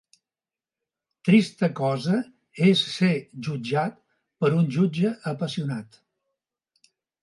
Trista cosa és ser jutjat per un jutge apassionat.